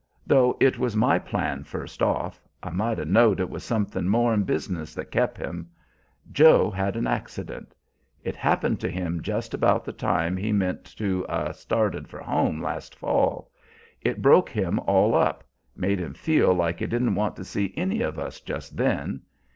"Though it was my plan first off. I might 'a' know'd it was something more 'n business that kep' him. Joe's had an accident. It happened to him just about the time he meant to 'a' started for home last fall. It broke him all up, made him feel like he didn't want to see any of us just then.